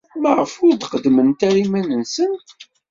Maɣef ur d-qeddment ara iman-nsent?